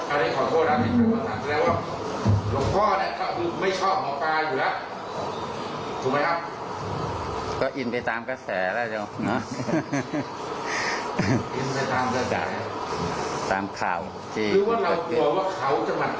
คือว่าเรากลัวว่าเขาจะมาตรวจสอบวัดเราหรือเปล่า